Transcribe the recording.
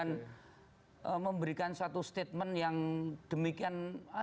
mungkin dengan memberikan satu statement yang demikian